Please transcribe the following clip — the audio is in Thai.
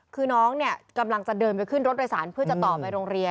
คือน้องเนี่ยกำลังจะเดินไปขึ้นรถโดยสารเพื่อจะต่อไปโรงเรียน